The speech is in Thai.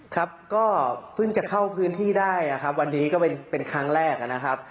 ครับก็เพิ่งจะเข้าพื้นที่ได้นะครับวันนี้ก็เป็นครั้งแรกนะครับ